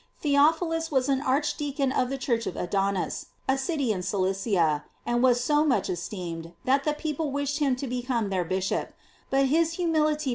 || Theo philus was archdeacon of the Church of Adanas, a city of Cilicia; and was so much esteemed, that the people wished him to become their bishop, but his humility prevented his consent.